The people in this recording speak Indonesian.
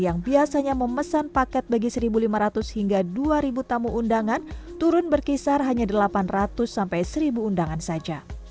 yang biasanya memesan paket bagi satu lima ratus hingga dua tamu undangan turun berkisar hanya delapan ratus sampai seribu undangan saja